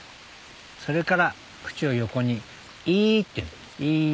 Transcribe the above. それから口を横にいってやんだい。